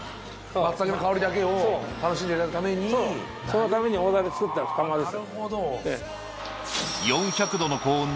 松茸の香りだけを楽しんでいただくためにそのためにオーダーで作った窯です